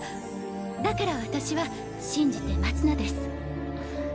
だから私は信じて待つのです。